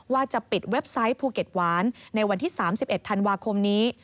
ว่าจะปิดเว็บไซต์ภูเก็ตหวานในวันที่๓๑ธันวาคมนี้